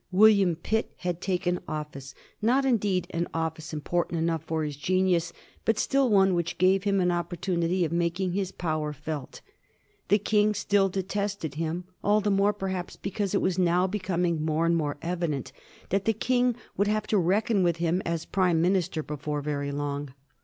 William Pitt had taken office; not, indeed, an office important enough for his genius, but still one which gave him an opportunity of making his power felt. The King still detested him; all the more, perhaps, be cause it was now becoming more and more evident that the King would have to reckon with him as Prime min ister before very long.